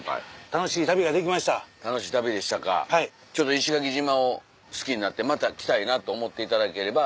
石垣島を好きになってまた来たいなと思っていただければ。